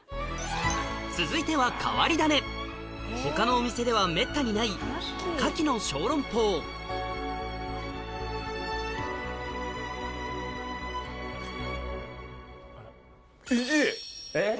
続いては変わり種他のお店ではめったにないえっ！